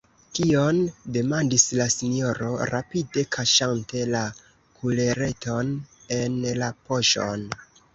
« Kion?», demandis la sinjoro, rapide kaŝante la kulereton en la poŝon.